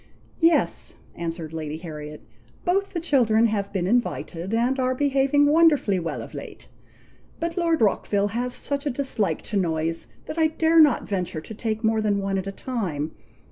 "Yes," answered Lady Harriet, "both the children have been invited, and are behaving wonderfully well of late, but Lord Rockville has such a dislike to noise, that I dare not venture to take more than one at a time.